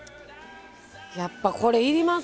やっぱこれいります！